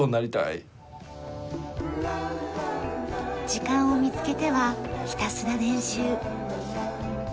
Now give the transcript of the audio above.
時間を見つけてはひたすら練習。